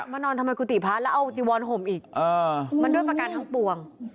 มานอนธรรมกุฏิพระแล้วเอาจิวรศบินฐานอีกมันด้วยประการทั้งปวง